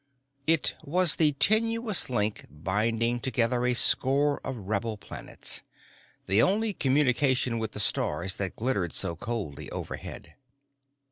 It was the tenuous link binding together a score of rebel planets, the only communication with the stars that glittered so coldly overhead.